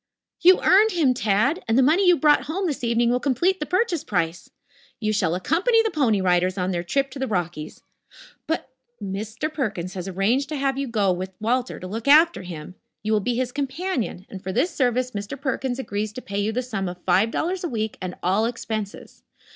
"You earned him, Tad, and the money you brought home this evening will complete the purchase price. You shall accompany the Pony Riders on their trip to the Rockies " "But " "Mr. Perkins has arranged to have you go with Walter to look after him. You will be his companion, and for this service Mr. Perkins agrees to pay you the sum of five dollars a week and all expenses.